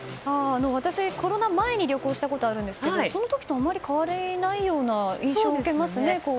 私、コロナ前に旅行したことがあるんですがその時とあまり変わりないような印象を受けますね。